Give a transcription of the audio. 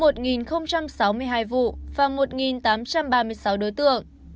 trong đó đã khởi tố một sáu mươi hai vụ và một tám trăm ba mươi sáu đối tượng